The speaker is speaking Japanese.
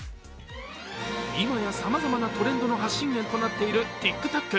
今やさまざまなトレンドの発信源となっているＴｉｋＴｏｋ。